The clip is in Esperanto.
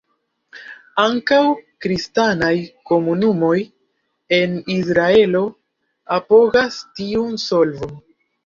Ankaŭ kristanaj komunumoj en Israelo apogas tiun solvon.